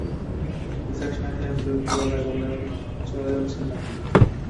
ইসহাক সাহেব বিরক্ত গলায় বললেন, চলে যাচ্ছেন নাকি?